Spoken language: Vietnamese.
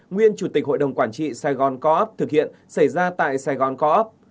nguyên chủ tịch hội đồng quản trị sài gòn co op thực hiện xảy ra tại sài gòn co op